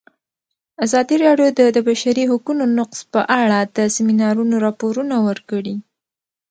ازادي راډیو د د بشري حقونو نقض په اړه د سیمینارونو راپورونه ورکړي.